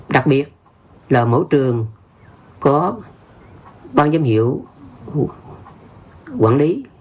đặc biệt là mỗi trường có ban giám hiệu quản lý